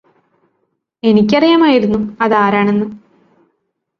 എനിക്കറിയാമായിരുന്നു അതാരാണെന്ന്